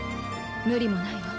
無理もないわ